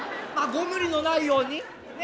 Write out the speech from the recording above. ご無理のないように。